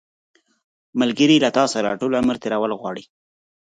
ملګری له تا سره ټول عمر تېرول غواړي